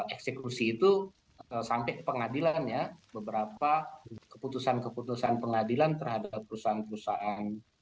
eksekusi itu sampai pengadilannya beberapa keputusan keputusan pengadilan terhadap perusahaan perusahaan